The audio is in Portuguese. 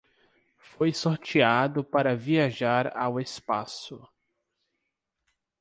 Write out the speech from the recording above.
Foi sorteado para viajar ao espaço